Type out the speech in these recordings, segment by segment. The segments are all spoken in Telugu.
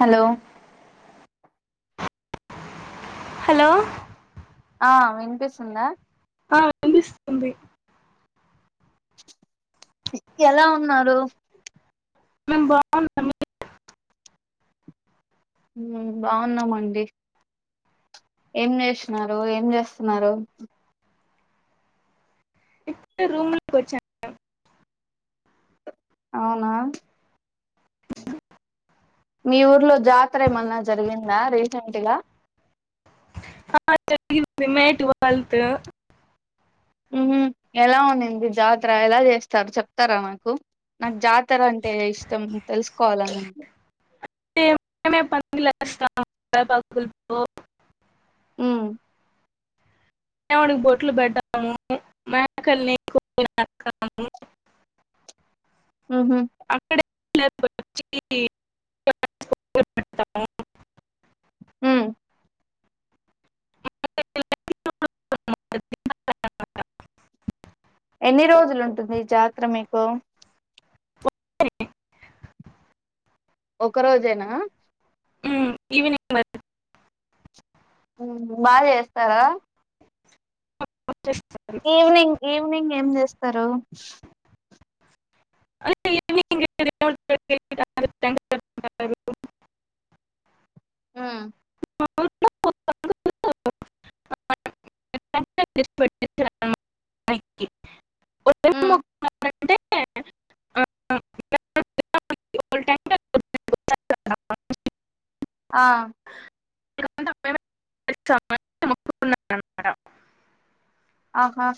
హలో హలో ఆ వినిపిసుందా ఆ వినిపిస్తుంది ఎలా ఉన్నారు మేం బాగన్నాము బాగున్నామండి ఏం చేసినారు ఏం చేస్తున్నారు ఇప్పు రూమ్ లోకి వచ్చాను అవునా ఇ మీ ఊర్లో జాతర ఏమన్నా జరిగిందా రీసెంట్గా ఆ జరిగింది మే ట్వల్త్ హ్మ్ ఎలా ఉన్నింది జాతర ఎలా చేస్తారు చెప్తారా నాకు నాకు జాతర అంటే ఇష్టం తెలుసుకోవాలనుంది [inaudible] హ్మ్ దేవునికి బొట్లు పెడ్డాము మేకల్ని [unintelligible] హ్మ్ హు [unintelligible] ఎన్ని రోజులు ఉంటుంది జాతర మీకు ఒక రోజేనా ఈవినింగ్ మ బాగా చేస్తారా వచ్చేస్త ఈవినింగ్ ఈవినింగ్ ఏం చేస్తారు [unintelligible] హ్మ్ [unintelligible] [unintelligible] హ్మ్ అంటే [unintelligible] కదా. ఆ [unintelligible] ఆహా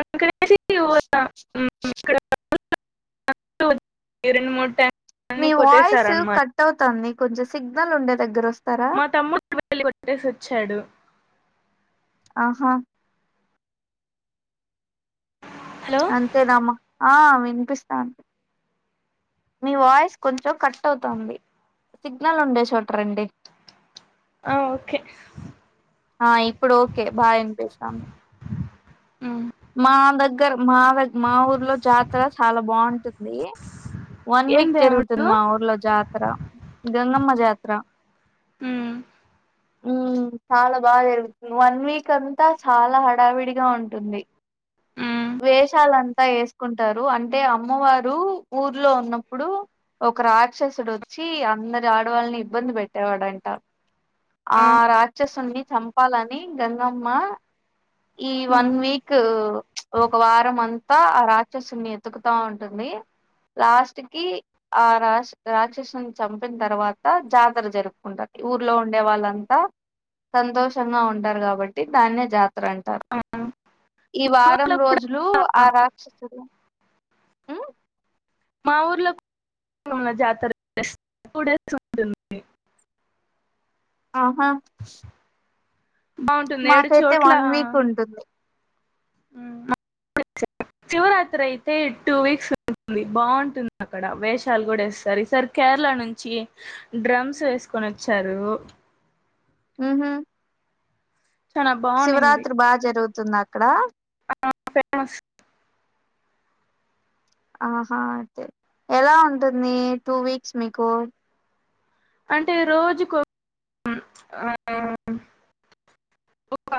అకసి [unintelligible] హ్మ్ ఇక్కడ రెండు మూడ్ ట్యాంక్ మీ వాయిస్ కట్ అవుతాంది కొంచం సిగ్నల్ ఉండే దగ్గ వం స్తే మా తమ్ముడ్ [unintelligible] కొట్టేసి వచ్చాడు ఆహా హలో అంతేనమ్ ఆ ఇన్ పిస్తాంది మీ వాయిస్ కొంచెం కట్ అవుతుంది సిగ్నల్ ఉండే చోట రండి ఆ ఓకే ఆ ఇప్పుడు ఓకే బాగా ఇన్పిస్తాంది ఉమ్. మా దగ్గ మా వెల్ మా ఊర్లో జాతర చాలా బాగుం టుంది వన్ ఏం వీక్ దేవుడు జరుగుతుంది మా ఊర్లో జాతర గంగమ్మ జాతర మ్మ్ ఆ చాలా బాగా జరుగుతుంది వన్ వీక్ అంతా చాలా హడావిడిగా ఉంటుంది ఉమ్, వేషాలంతా వేసుకుంటారు అంటే అమ్మవారు ఊర్లో ఉన్నప్పుడు ఒక రాక్షసుడు వచ్చి అందరి ఆడవాళ్ళని ఇబ్బంది పెట్టేవాడంట ఆ ఉమ్, రా క్షసుణ్ణి చంపాలని గంగమ్మ ఈ ఉమ్, వన్ వీక్ ఒక వారం అంతా ఆ రాక్షసున్ని ఎతుకుతా ఉంటుంది లాస్ట్ కి ఆ రా రాక్షసుని చంపిన తర్వాత జాతర జరుపుకుంటారు ఊర్లో ఉండే వాళ్ళంతా సంతోషంగా ఉంటారు కాబట్టి దాన్నే జాత తర అంటారు ఆ. ఈ మా వారం ఊర్లో కూడా రోజులు ఆ రాక్షసుడు మ్మ్ మా ఊర్లో [unintelligible] జాతర [unintelligible] టు డేస్ ఉంటుంది ఆహా బాగుంటుంది ఏడు మాకైతే చోట్ల వన్ వీక్ ఉంటుంది శివరాత్రి అయితే టూ వీక్స్ ఉంటంది బాగుంటుంది అక్కడ వేషాలు కూడా ఇస్తారు ఈ సార్ కేరళ నుంచి డ్రమ్స్ వేసుకొని వచ్చారు హ్మ్ హు చాలా బాగుంది శివరాత్రి బాగా జరుద్ తుంద అక్కడ ఫేమస్ ఆహా అయితే ఎలా ఉంటుంది టూ వీక్స్ మీకు అంటే రోజుకు ఆ ఒక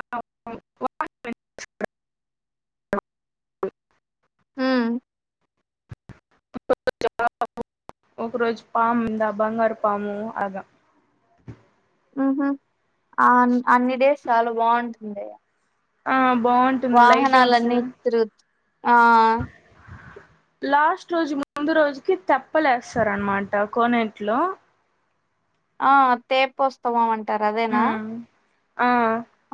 అ ఆ ఒక రోజు పామ్ంద బంగారు పాము అగా ఉ హు ఆ అన్నిడే సాలు బాగుంటుంది యే ఆ బాగుంటుంది లైటింగ్స్ వాహనాలన్నీ తీరు ఆ లాస్ట్ రోజు ముందు రోజుకి తెప్పలే వేస్తారనమాట కోనేట్లో ఆ తేపు వస్తావాం అం టారు అదేనా ఉమ్ ఆ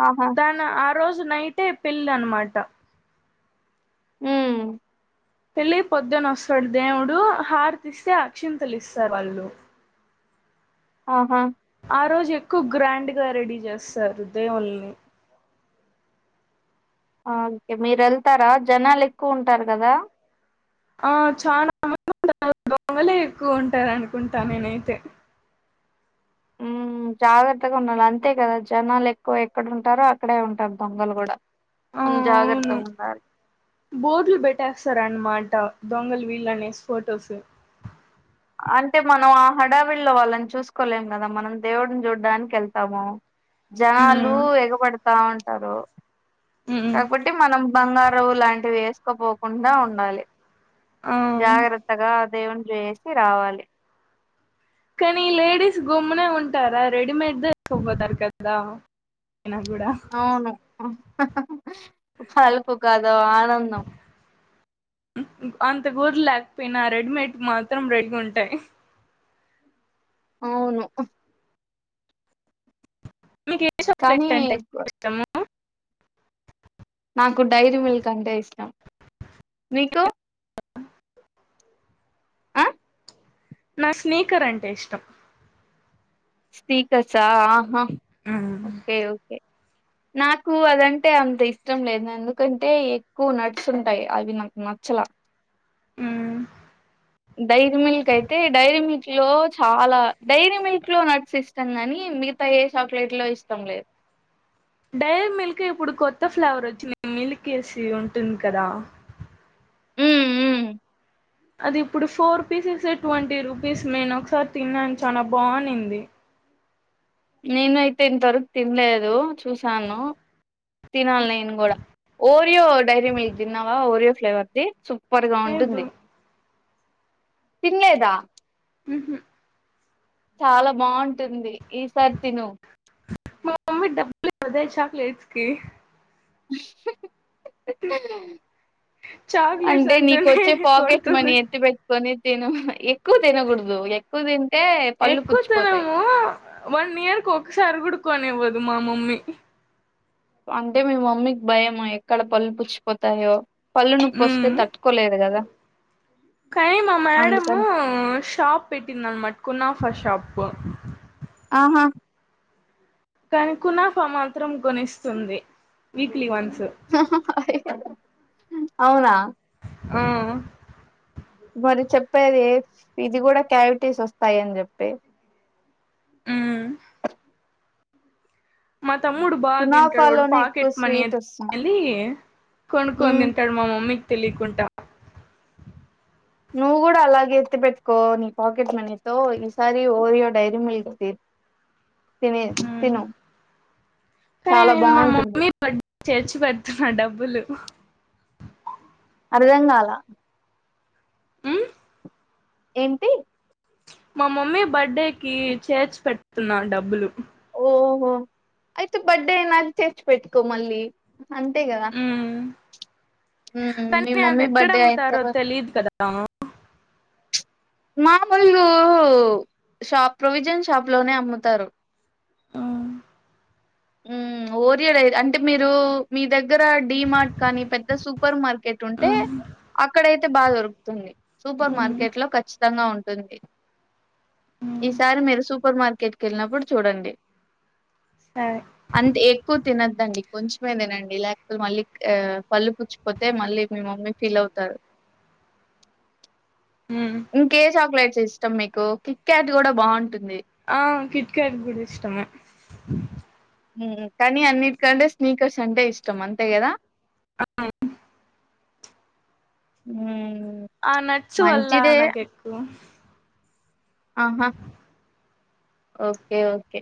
ఆహా దాని ఆపి ఈ రోజు నైటే పెళ్లి అనమాట హు పెళ్లి పొద్దున వస్తాడు దేవుడు హార్ తీస్తే అక్షింతలు ఇస్తారు వాళ్ళు ఆహా ఆ రోజు ఎక్కువ గ్రాండ్గా రెడీ చేస్తారు దేవుల్ని ఆ ఓకే మీరు వెళ్తారా జనాలు ఎక్కువ ఉంటారు కదా ఆ చాలా దొంగలే ఎక్కువ ఉంటారు అనుకుంటా నేనైతే జాగ్రత్తగా ఉండాలి అంతే కదా జనాలు ఎక్కువ ఎక్కడ ఉంటారో అక్కడే ఉంటారు దొంగలు కూడా మనం అవును జాగ్రత్తగా ఉండాలి బోడ్లు బెట్టేస్తారన్నమాట దొంగల్ వీళ్ళని అనేసి ఫోటోస్ అంటే మనం ఆ హడావిలో వాళ్ళని చూసుకోలేం కదా మనం దేవుడిని చూడ్డానికి వెళ్తాము జనాలు ఉమ్ ఎగబడతా ఉం హలో ఉమ్ కాబట్టి మనం బంగారం లాంటివి వేస్ తోక్కపోకుండా ఉండాలి ఆ జాగ్రత్తగా దేవునికి వేసి రావాలి కానీ లేడీస్ గమ్మునే ఉంటారా రెడీమేడ్ దన్న వెత్తుకుపోతారు కదా అయినా కూడా ఆవును ఫల్కు కదా ఆనందం అంత ప్యూర్ లేకపోయినా రెడీమేడ్ మాత్రం రెడీగా ఉంటాయి అవును మీకు ఏ కానీ చాక్లెట్ అంటే ఇష్టము నాకు డైరీ మిల్క్ అంటే ఇష్టం మీకు ఆ నా స్నీకర్ అంటే ఇష్టం స్పీకర్సా ఆహా ఓకే ఓకే నాకు అదంటే అంత ఇష్టం లేదు ఎందుకంటే ఎక్కువ నట్స్ ఉంటాయి అవి నాకు నచ్చలా ఉ డైరీ మిల్క్ అయితే డైరీ మిల్క్ లో చాలా డైరీ మిల్క్ లో నట్స్ ఇష్టం గానీ మిగతా ఏ చాక్లెట్ లో ఇష్టం లేదు డైరీ మిల్క్ ఇప్పుడు కొత్త ఫ్లేవర్ వచ్చింది మిల్క్ వేసి ఉంటుంది కదా ఉమ్ ఉమ్ అది ఇప్పుడు ఫోర్ పీసెస్ సే ట్వంటీ రూపీస్ నేను ఒకసారి తిన్నాను చాలా బానింది నేను అయితే ఇంతవరకు తినలేదు చూసాను తినాలి నేను కూడా ఓరియో డైరీ మిల్క్ తిన్నావా ఓరియో ఫ్లేవర్ది సూపర్ గా లేదు ఉంటుంది తినలేదా ఊహూ చాలా బావుంటుంది ఈ సారి తిను మా మమ్మీ డబ్బులివ్వదే చాక్లేట్స్ కి చాక్లెట్స్ అంటే అంటూనే నీకొచ్చే పాకెట్ మనీ కొడుతుంది ఎత్తి పెట్టుకోని తిను ఎ పళ్ళు ఎక్కువ పుచ్చిపోతాయి తినము వన్ ఇయర్ కు ఒకసారి కూడా కొనివ్వద్ మా మమ్మీ అంటే మీ మమ్మీకి భయమా ఎక్కడ పళ్ళు పుచ్చిపోతాయో పళ్ళు నొప్పి వస్తే తట్టుకోలేదు కదా కానీ మా మేడము అందుకని షాప్ పెట్టింది అనమాట కునాఫా షాప్ పు ఆహా కానీ కునాఫా మాత్రం కొనిస్తుంది వీక్లీ వన్స్ అవునా ఆ ప్పేది ఇది కూడా క్యావిటీస్ వస్తాయి అని చెప్పి మ్ మా తమ్ముడు బా తింటడు వాడు కునాఫాలోనే ఎక్కువ పాకెట్ మనీ స్వీట్ అట్ వస్తుంది అలీ కొనుక్కొని మ్మ్ తింటడు మా మమ్మీ తెలియకుంటా నువ్వు కూడా అలాగే ఎత్తి పెట్టుకో నీ పాకెట్ మనీతో ఈసారి ఓరియో డైరీ మిల్క్ తీ తని మ్ తిను కానీ చాలా నేను మా బాగుంటుంది మమ్మీ బర్త్డే చేర్చి పెడుతన్నా డబ్బులు అర్ధంగాల మ్ ఏంటి మా మమ్మీ బర్త్డే కి చేర్చి పెడుతున్నా డబ్బులు అయితే బర్త్డే అయినాక తెచ్చి పెట్టుకో మళ్ళీ అంతే కదా హ్మ్ మీ తన్ని అది మమ్మీ ఎక్కడ బర్త్డే అయిన అమ్ముతారో తర్వాత తెలిదు కదా మామూలుు షాప్ ప్రొవిజన్ షాప్ లోనే అమ్ముతారు ఆ ఉమ్ ఓరియో రైరు అంటే మీరు మీ దగ్గర డి మార్ట్ కానీ పెద్ద సూపర్ మార్కెట్ ఉంటే మ్ అక్కడై తే బాగా దొరుకుతుంది సూపర్ మార్కెట్ లో ఖచ్చి తంగా ఉంటుంది ఇస్ తారి మీరు సూపర్ మార్కెట్ కెళ్ళినప్పుడు చూడండి సరే అంత్ ఎక్కువ తినద్దండి కొంచెమే తినండి లేకపోతే మళ్ళీ ఆ పళ్ళు పుచ్చిపోతే మళ్ళీ మీ మమ్మీ ఫీల్ అవుతారు ఇంకే చాక్లెట్స్ ఇస్ ఇష్టం మీకు కిక్ క్యాట్ కూడా బాగుంటుంది ఆ కిట్కాట్ కూడ ఇష్టమే కానీ అన్నిటికంటే స్నీకర్స్ అంటే ఇష్టం అంతే కదా అవు హూ మ్ ఆ నచ్చు వల్ల నాగెక్కు ఆహా ఓకే ఓకే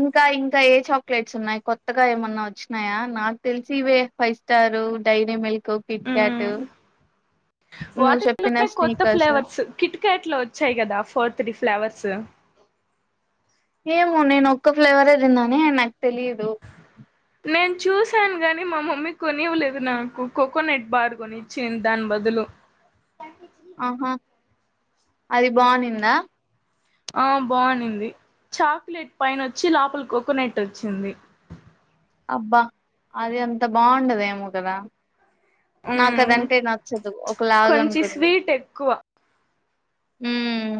ఇంకా ఇంకా ఏ చాక్లెట్స్ ఉన్నాయి కొత్తగా ఏమన్నా వచ్చినాయా నాకు తెలిసి ఇవే five star dairy milk Kit Kat ఉమ్ నువ్వు వాటి చెప్పిన లోనే కొత్త స్నీకర్స్. ఫ్లేవర్స్ కిట్ కట్ ట్లు వచ్చాయి కదా ఫోర్ త్రీ ఫ్లేవర్స్ ఏమో నేను ఒక్క ఫ్లేవర్ ఏ తిన్ననే నాకు తెలిదు నేను చూసాను కాగానీ మా మమ్మీ కొనివ్వలేదు నాకు కోకోనట్ బార్ కొనిచ్చంది దాని బదులు ఆహా అది బాగు నిందా ఆ బాగునింది చాక్లెట్ పైన వచ్చి లోపల కోకోనట్ వచ్చింది అబ్బా అది అంత బాగుండదేమో కదా మ్మ్ నాకదంటే నచ్చదు ఒక లాగా కొంచెం ఉంటుంది స్వీట్ ఎక్కువ మ్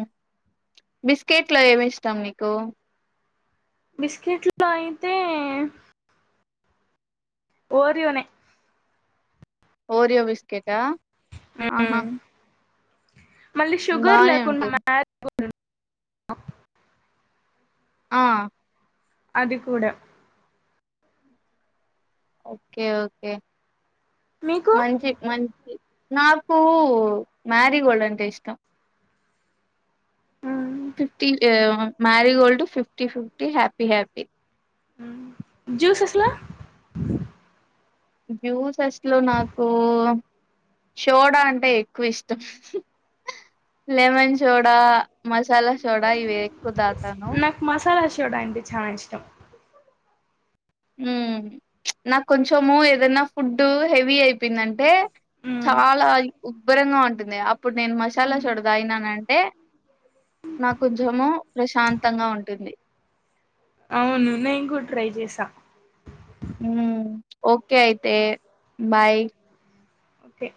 బిస్కెట్ లో ఏమి ఇష్టాం నీకు బిస్కిట్లు లో అయితే ఓరియో నే ఓరియో బిస్కెటా ఆహా! హూమ్ మళ్ళీ షుగర్ బానే లేకుండా మ ఉంటుంది. ఆ అది కూడా ఓకే ఓకే మీకు మంచి మంచి నాకు మ్యారీగోల్డ్ అంటే ఇష్టం fifty marigold fifty fifty happy happy juice స్ లో జ్యూస్ స్ ట్ లో నాకు షోడా అంటే ఎక్కువ ఇష్టం లెమన్ షోడా మస్ చాలా చూడా ఇవి ఎక్కువ దాతాను డ అంటే చానా ఇష్టం ఉమ్ నాకు కొంచము ఏదనా ఫుడ్ హెవీ అయిపోయిందంటే చాలా ఉబ్బరంగా ఉం ఉంటుంది అప్పుడు నేను మసాలా షోడా తాగిన నంటే నాకు కొంచెము ప్రశాంతంగా ఉంటుంది అవును నేను కూడా ట్రై చేసా మ్ ఓకే అయితే బాయ్ ఓకే